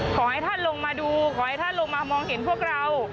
ขอให้ท่านลงมาดูขอให้ท่านลงมามองเห็นพวกเรา